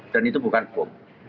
dan itu bukan bom